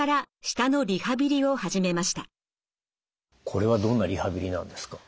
これはどんなリハビリなんですか？